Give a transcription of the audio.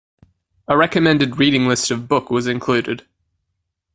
A recommended reading list of book was included.